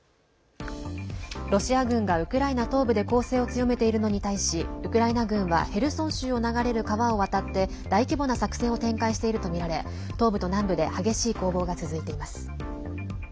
ロシア軍がウクライナ東部で攻勢を強めているのに対しウクライナ軍はヘルソン州を流れる川を渡って大規模な作戦を展開しているとみられ東部と南部で激しい攻防が続いています。